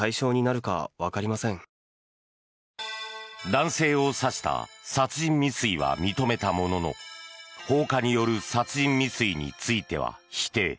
男性を刺した殺人未遂は認めたものの放火による殺人未遂については否定。